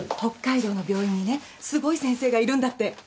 北海道の病院にねすごい先生がいるんだって。